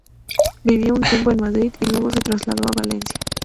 Vivió un tiempo en Madrid y luego se trasladó a Valencia.